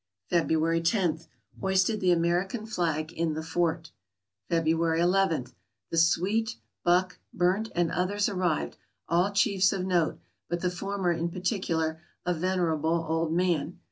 February 10. — Hoisted the American flag in the fort. February 11. — The Sweet, Buck, Burnt, and others arrived, all chiefs of note, but the former in particular, a venerable old man.